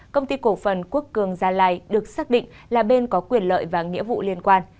công ty cổ phần quốc cường gia lai được xác định là bên có quyền lợi và nghĩa vụ liên quan